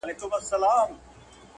اورنګ زېب سو په ژړا ویل وېرېږم!